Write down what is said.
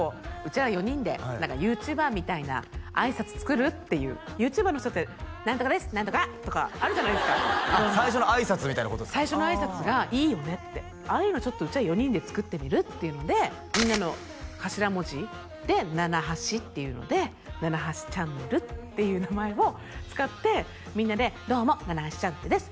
ちら４人でＹｏｕＴｕｂｅｒみたいなあいさつ作る？っていうＹｏｕＴｕｂｅｒの人って「なんとかですなんとか」とかあるじゃないですか最初のあいさつみたいなこと最初のあいさつがいいよねってああいうのちょっとうちら４人で作ってみる？っていうのでみんなの頭文字で「ななはし」っていうので「ななはしチャンネル」っていう名前を使ってみんなで「どうもななはしチャンネルです」